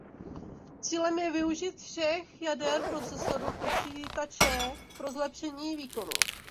Cílem je využít všech jader procesoru počítače pro zlepšení výkonu.